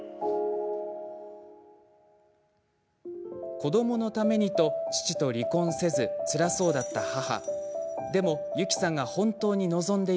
子どものためにと父と離婚せずつらそうだった母。